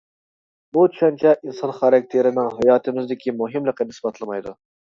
بۇ چۈشەنچە ئىنسان خاراكتېرىنىڭ ھاياتىمىزدىكى مۇھىملىقىنى ئىسپاتلىمايدۇ.